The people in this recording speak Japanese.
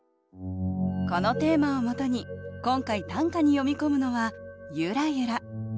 このテーマをもとに今回短歌に詠み込むのは「ゆらゆら」。